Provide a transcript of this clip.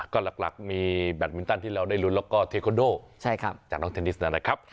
ก็หลักมีแบตมินตันที่เราได้ลุ้นแล้วก็เทคอนโดจากน้องเทนนิสนะครับ